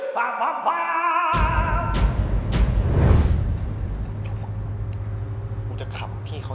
ก็ไม่ได้ีขีดของเรา